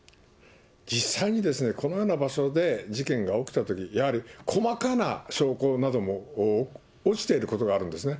実際にこのような場所で事件が起きたとき、やはり細かな証拠なども落ちていることがあるんですね。